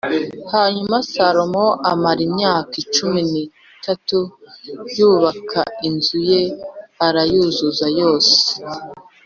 Hanyuma Salomo amara imyaka cumi n’itatu yubaka inzu ye, arayuzuza yose